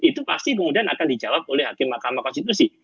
itu pasti kemudian akan dijawab oleh hakim mahkamah konstitusi